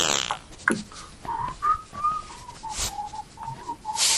Many of his compositions have also been used in Woody Allen films.